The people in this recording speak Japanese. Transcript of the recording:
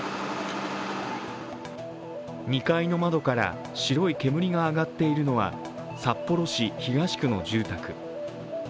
２階の窓から白い煙が上がっているのは札幌市東区の住宅。